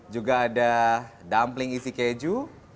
juga ada dumpling isi keju